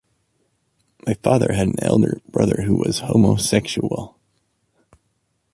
My father had an elder brother who was homosexual.